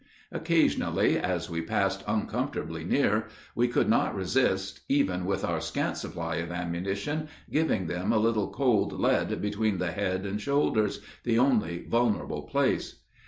Occasionally, as we passed uncomfortably near, we could not resist, even with our scant supply of ammunition, giving them a little cold lead between the head and shoulders, the only vulnerable place.